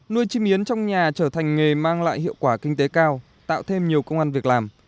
nuôi chim yến trong nhà trở thành nghề mang lại hiệu quả kinh tế cao tạo thêm nhiều công an việc làm